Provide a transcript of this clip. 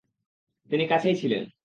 তিনি কাছেই ছিলেন।